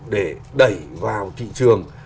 để đẩy vào thị trường